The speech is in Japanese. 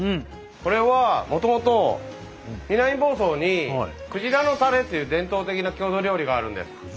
これはもともと南房総に「くじらのたれ」っていう伝統的な郷土料理があるんです。